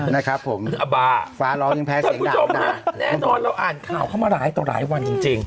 นะครับผมฟ้าร้องยังแพ้เสียงดาวมาแน่นอนเราอ่านข่าวเข้ามาหลายตั้งหลายวันจริงจริง